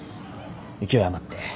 勢い余って。